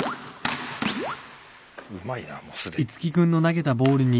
うまいなもうすでに。